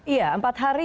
iya empat hari